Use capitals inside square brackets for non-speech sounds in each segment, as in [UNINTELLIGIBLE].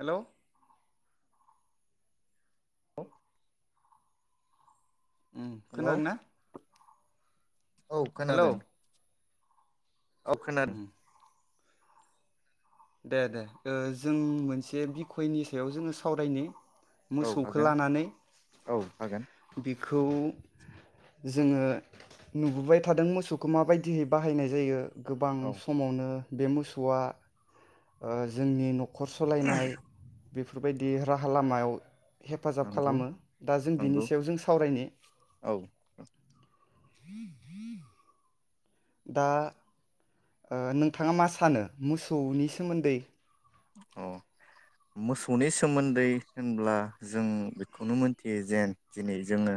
Hello औ hello खोनादोंना औ हेलौ खोनादों अ खोनादों उम दे दे ओ जों मोनसे बिखयनि सायाव जोङो सावरायनि औ मोसौखौ हागोन लानानै औ हागोन बेखौ‌ खौ जोङो नुबोबाय थादों मोसौखौ माबायदियै बाहायनाय जायो गोबां औ समावनो बे मोसौआ ओ जोंनि न'ख खर सलायनाय। बेफोरबायदि राहा लामायाव हेफाजाब नंगौ खालामो दा जों बिनि नंगौ सायाव जों सावरायनि औ [UNINTELLIGIBLE] दा नोंथाङा मा सानो मोसौनि सोमोन्दै? अ मोसौनि सोमोन्दै होनब्ला जों बेखौनो मोनथियो जे दिनै जोङो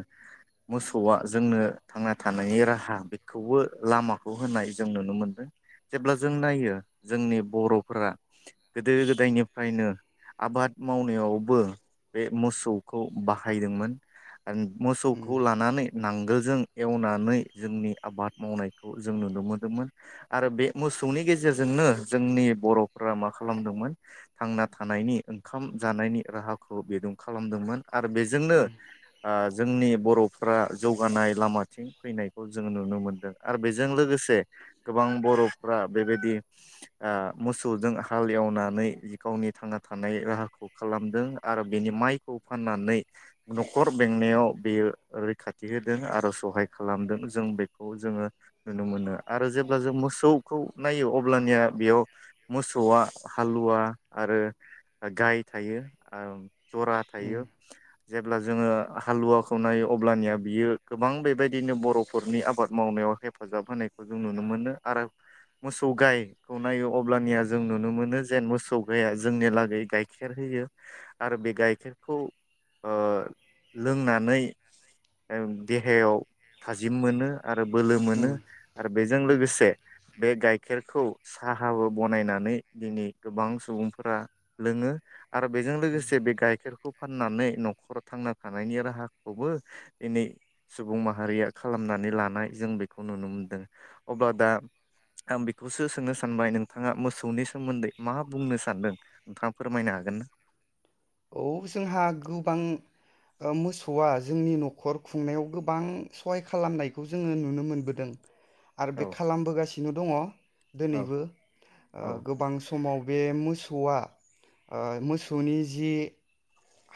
मोसौआ जोंनो थांना थानायनि राहा बेखौबो लामाखौ होनाय जों नुनो मोनदों जेब्ला जों नायो जोंनि बर'फोरा गोदो गोदायनिफ्रायनो आबाद मावनायावबो बे मोसौखौ बाहायदोंमोन। उम मोसौखौ लानानै नां आगोलजों एवनानै जोंनि आबाद मावनायखौ जों नुनो मोनदोंमोन आरो बे मोसौनि गेजेरजोंनो जोंनि बर'फोरा माखा खालामदोंमोन थांना थानायनि ओंखाम जानायनि राहाखौ बिदुं खालामदोंमोन आरो बेजोंनो उम आ जोंनि बरफ्रा जौगानाय लामाथिं फैनायखौ जों नुनो मोनदों आरो बेजों लोगोसे गोबां बरफ्रा बेबायदि आ मोसौजों हाल एवनानै गावनि थांना थानाय राहाखौ खालामदों आरो बेनि माइखौ फाननानै नखर बेंनायाव बेयो रैखाथि होदों आरो सहाय खालामदों जों बेखौ जोङो नुनो मोनो आरो जेब्ला जों मोसौखौ नायो अब्लानिया बेयाव मोसौ मोसौआ हालुवा आरो गाय थायो जरा उम थायो। जेब्ला जोङो हालुवाखौ नायो अब्लानिया बियो गोबां बेबायदिनो बरफोरनि आबाद मावनायाव हेफाजाब होनायखौ जों नुनो मोनो आरो मोसौ गायखौ नायो अब्लानिया जों नुनो मोनो जेन मोसौ गाया जोंनि लागै गाइखेर होयो आरो बे गाइखेरखौ ओ लोंनानै देहायाव थाजिम मोनो। आरो बोलो मोनो उम आ बेजों लोगोसे बे गाइखेरखौ साहाबो बनायनानै नै दिनै गोबां सुबुंफोरा लोङो। आरो बेजों लोगोसे बे गाइखेरखौ फाननानै नखराव थांना थानायनि राहाखौबो दिनै सुबुं माहारिया खालामनानै लानाय जों बेखौ नुनो मोनदों अब्ला दा आं बेखौसो सोंनो सानबाय नोंथाङा मोस औनि सोमोन्दै मा बुंनो सानदों नोंथाङा फोरमायनो हागोन ना? औ जोंहा गोबां मोसौआ जोंनि न'खर खुंनायाव गोबां सहाय खालामनायखौ जोङो नुनो मोनबोदों। आरो औ बे खालामबोगासिनो दङ। औ दोनैबो ओ औ गोबां समाव बे मोसौ आ मोसौनि जि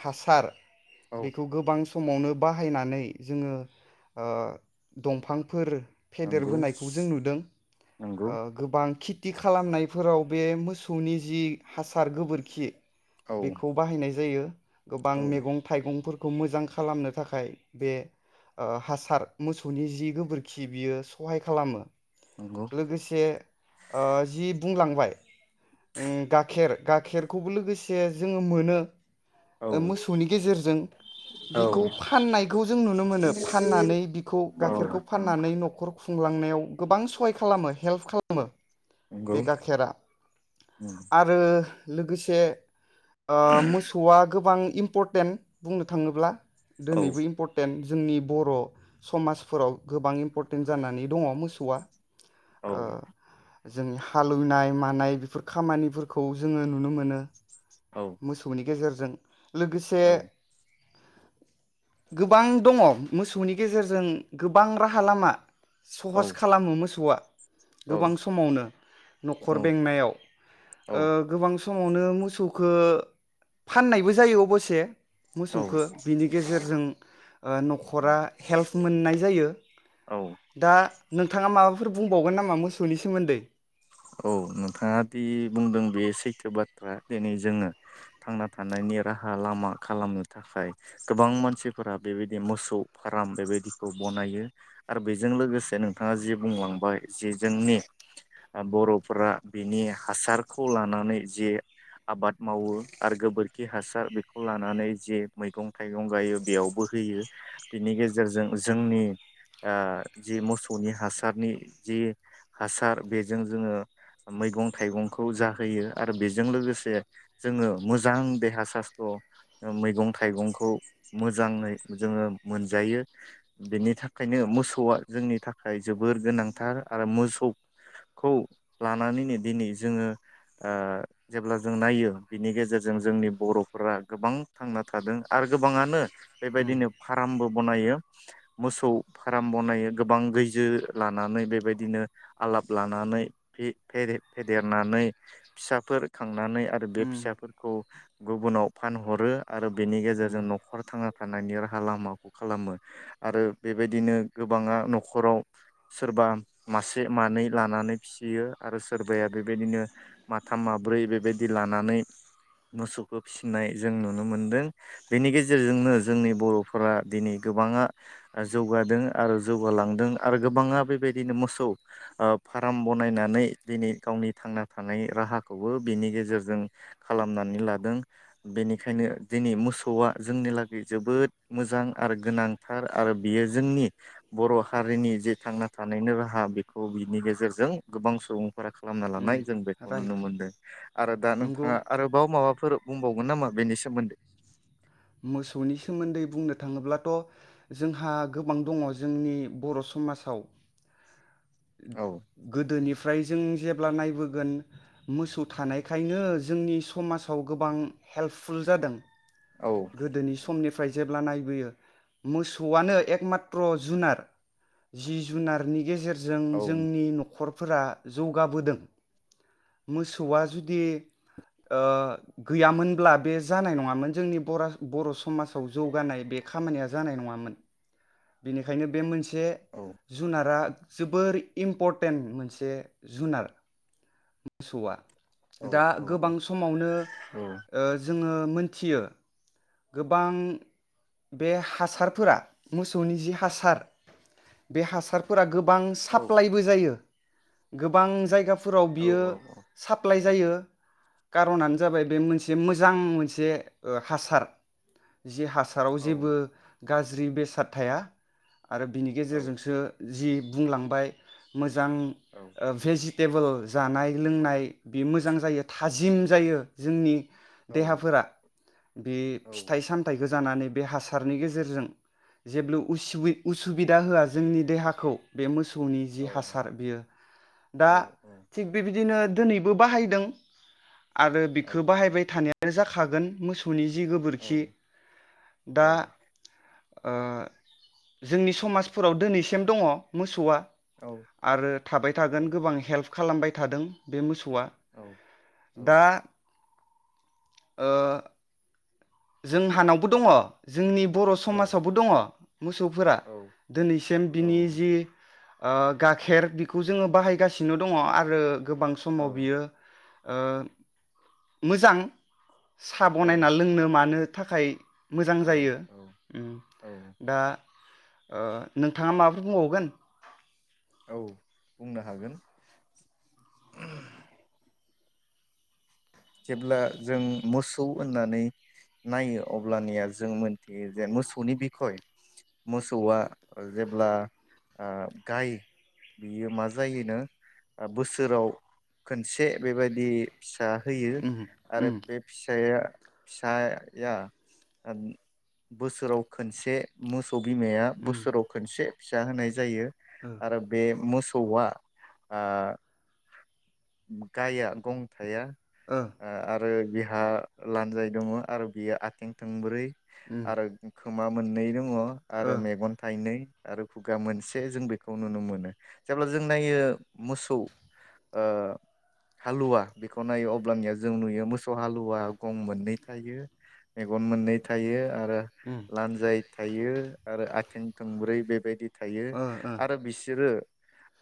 हासार औ बेखौ गोबां समावनो बाहायनानै जोङो ओ दंफांफोर नंगौ फेदेरबोनायखौ जों नुदों नंगौ ओ गोबां खि खिथि खालामनायफोराव बे मोसौनि जि हासार गोबोरखि औ बेखौ बाहायनाय ज [UNINTELLIGIBLE] गोबां औ मैगं थाइगंफोर खौ मोजां खालामनो थाखाय बे ओ हासार मोसौनि जि गोबोरखि बियो सहाय खालामो। नंगौ लोगोसे ओ जि बुंलांबाय ओम गाखेर गाखेरखौबो लोगोसे जोङो मोनो औ ओ मोसौनि गेजेरजों औ बिखौ फाननायखौ जों नुनो मोनो फाननानै बिखौ गाइखेरखौ फाननानै न'खर खुंलांनायाव गोबां सहाय खालामो हेल्प खालामो [UNINTELLIGIBLE] नंगौ बे नंगौ गाखेरा आरो लोगोसे ओ मोसौआ गोबां इम्परटेन्ट बुंनो थाङोब्ला औ दिनैबो इम्परटेन्ट जोंनि बर' समाजफोराव गोबां इम्परटेन्ट जानानै दङ मोसौआ औ [UNINTELLIGIBLE] जोंनि हालौवनाय मानाय बेफोर खामानिफोरखौ जोङो नुनो मोनो औ मोसौनि गेजेरजों जों लोगोसे औ गोबां दङ मोसौनि गेजेरजों गोबां राहा लामा सहस खालामो मोसौआ गोबां सम समावनो न'खर बेंनायाव गोबां सम समावनो मोसौखौ फाननायबो जायो अबसे औ मोसौखो बिनि गेजेरजों न'खरा हेल्प मोननाय जायो औ दा नोंथाङा माबाफोर बुंबावगोन नामा मोसौनि सोमोन्दै औ नोंथाङा दि बुंदों बे सैथो बाथ्रा दिनै जोङो थांना थानायनि राहा लामा खालामनो थाखाय गोबां मानसिफोरा बेबायदि मोसौ फार्म बेबायदिखौ बनायो आरो बेजों लोगोसे नोंथाङा जि बुंलांबाय जि जोंनि बर'फोरा बिनि हासारखौ लानानै जे आबाद मावो आरो गोबोरखि हासार बेखौ लानानै जे मैगं थाइगं गायो बेयावबो होयो बिनि गेजेरजों जोंनि ओ जि मोसौनि हासारनि जि हासार बे जों जोङो मैगं थाइगंखौ जाहोयो आरो बेजों लोगोसे जोङो मोजां देहा सास्थ्र' मैगं थाइगंखौ मोजाङै जोङो मोनजायो बेनि थाखायनो मोसौआ जोंनि थाखाय जोबोर गोनांथार आरो मोसौ खौ लानानैनो दिनै जोङो जेब्ला जों नायो बिनि गेजेरजों जोंनि बर'फोरा गोबां थांना थादों आरो गोबाङानो उम बेबायदिनो फार्मबो बनायो मोसौ फार्म बनायो गोबां गैजो लानानै बेबायदिनो आलाब लानानै फेदेरनानै फिसाफोर खांनानै आरो बे उम फिसाफोरखौ गुबुनाव फानहरो आरो बेनि ओं गेजेरजों न'खर थांना थानायनि राहा लामाखौ खालामो आरो बेबायदिनो गोबाङा न'खराव सोरबा मासे मानै लानानै फिसियो आरो सोरबाया बेबायदिनो माथाम माब्रै बेबायदि लानानै मोसौखौ फिसिनाय जों नुनो मोनदों बेनि गेजेरजोंनो जोंनि बर'फोरा दिनै गोबाङा जौगादों आरो जौगालांदों आरो गोबाङा बेबायदिनो मोसौ फार्म बनायनानै दिनै गावनि थांना थानाय राहाखौबो बिनि गेजेरजों खालामनानै लादों बेनिखायनो दिनै मोसौआ जोंनि लागै जोबोद मोजां आरो गोनांथार आरो बियो जोंनि बर' हारिनि जे थांना थानायनि राहा बेखौ बिनि गेजेर गेजेरजों गोबां सुबुं खालामना उम लानाय जों बेखौ राइट नुनो मोनदों आरो दा नंगौ नोंथाङा आरोबाव माबाफोर बुंबावो नामा बेनि सोमोन्दै मोसौनि सोमोन्दै बुंनो थाङोब्लाथ' जोंहा गोबां दङ जोंनि बर' समाजाव औ गोदोनिफ्राय जों जे जब्ला नायबोगोन मोसौ थानायखायनो जोंनि समाजाव गोबां हेल्पफुल जादों औ गोदोनि समनिफ्राय जेब्ला नायबोयो मोसौआनो एकमात्र' जुनार जि जुनारनि गेजेरजों जों औ जोंनि न'खर फोरा जौगाबोदों मोसौआ जुदि गैयामोनब्ला बे जानाय नङामोन जोंनि बरा बर' समाजाव जौगानाय बे खामानिया जानाय नङामोन बेनिखायनो बे मोनसे से औ जुनारा जोबोर इम्परटेन्ट मोनसे जुनार मोसौआ औ दा औ औ गोबां समावनो औ जोङो मोनथियो गोबां बे हासारफोरा मोसौनि जि हासार बे हासारफोरा गोब गोबां औ साप्लाायबो जायो गोबां जायगाफो फोराव औ बियो साप्लाइ जायो खार'नानो जाबाय बे मोनसे मोजां मोनसे हासार जि हास हासाराव औ जेबो गाज्रि बेसाद थाया आरो बिनि औ गेजेरजोंसो जि बुंलांबाय मोजां मोजां भेजि टेबोल जानाय लोंनाय बेयो मोजां जायो थाजि जिम जायो जोंनि देहाफोरा बे फिथाइ सामथाइखो जानानै बे हासारनि गेजेरजों जेब्लो उसुबि-उसुबिदा होआ जोंनि देहाखौ बे मोसौ मोसौनि जि हासार बियो दा थिग बेबायदिनो दिनैबो बाहायदों आरो बिखौ बाहायबाय थानाय जाखागोन मोसौनि जि गोबोर खि दा ओ जोंनि समाजफोराव दिनैसिम दङ मोसौआ आरो थाबाय औ थागोन गोबां हेल्प खालामबाय थादों बे मोसौ वा दा ओ जोंहानावबो दङ जोंनि बर समाजावबो दङ मोसौफोरा दिनैसिम बिनि जि ओ गाखेर बेखौ जोङो बाहायगासिनो दङ आरो गोबां समाव बियो ओ मोजां साहा बनायना लोंनो मा नो थाखाय मोजां जायो औ उम औ दा ओ नोंथाङा माबाफोर बुंबावगोन औ बुंनो हागोन जेब्ला जों मोसौ होननानै नायो अब्लानिया जों मोनथियो जे मोसौनि बिखय मोसौआ जेब्ला गाय बियो मा जायोनो बोसोराव खनसे बे बायदि फिसा होयो उम आरो उम बे फिसाया फिसाया बोसोराव खनसे मुस खौ बिमाया उम बोसोराव खोनसे फिसा होनाय जायो ओ आरो बे मोसौ सौआ ओ गाया गं थाया ओ‌ ओ आ आरो बिहा लान्जाय दङ आरो बियो आथिं थोंब्रै उम आरो खोमा मोननै दङ ओ आरो मेगन थाइनै आरो खुगा मोनसे जों बेखौ नुनो मोनो जेब्ला जों नायो मोसौ ओ हालुवा बेखौ नायो अब्लानिया जों नुयो मोसौ हालुवा गम मोननै थायो मेगन मोननै थायो आरो उम लान्जाय थायो आरो आथिं थोंब्रै बेबायदि थायो ओ ओ आरो बिसोरो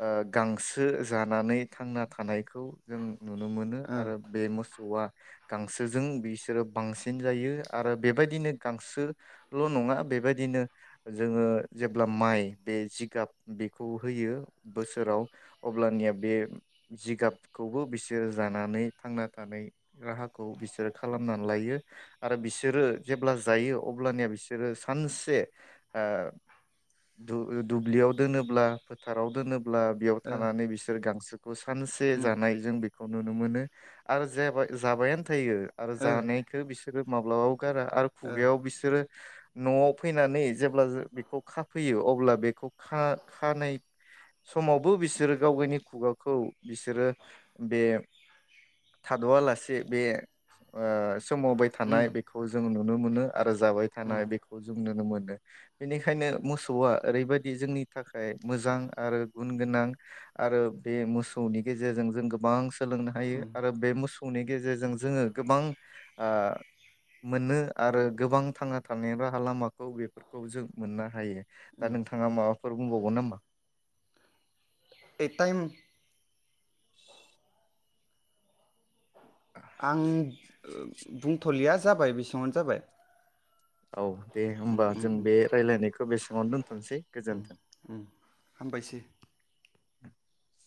ओ गांसो जानानै थांना थानायखौ जों नुनो मोनो ओ आरो बे मोसौ औवा गांसोजों बिसोरो बांसिन जायो आरो बेबायदिनो गांसोल' नङा बेबायदिनो जोङो जेब्ला माइ बे जिगाब बेखौ होयो बोसोराव अब्लानिया बे जिगाबखौबो बिसोरो जानानै थांना थानाय राहाखौ बिसोरो खालामनानै लायो आरो बिसोरो जेब्ला जायो अब्लानिया बिसोरो सानसे दुब्लियाव दोनोब्ला फोथाराव दोनोब्ला ब्ला बेयाव थानानै बिसोर गांसोखौ खौ सानसे उम जानाय जों बैखौ नुनो मोनो आरो जाबायानो थानाय थायो आरो ओ जानायखौ बिसोर बिसोरो माब्लाबा खुगारा आरो ओ खुगायाव बिसोरो न'आव फैनानै जेब्ला बेखौ खाफैयो अब्ला बेखौ खानाय समावबो बिसोरो गाव गावनि खुगा खौ बिसोरो बे थाद'आलासे बे सोमावबाय उम थानाय बेखौ जों नुनो नुनो मोनो आरो जाबाय उम थानाय बेखौ जों नुनो मोनो बेनिखायनो मोसौआ ओरैबायदि जोंनि थाखाय मोजां आरो गुन गोनां आरो बे मोसौनि गेजेरजों जों गोबां सोलोंनो हायो उम आरो बे मोसौ मोसौनि गेजेरजों जोङो गोबां ओ मोनो आरो गोबां थांना थानायनि राहा लामाखौ बेफोरखौ जों मोननो हायो दा नोंथाङा माबाफोर बुंबावगोन नामा एटायम [INAUDIBLE] आं बुंथ'लिया जाबाय बेसांङावनो जाबाय औ दे उम होमबा उम जों उम बे रायलायनायखौ बेसाङावनो दोनथ'सै गोजोन्थों हामबायसै [INAUDIBLE]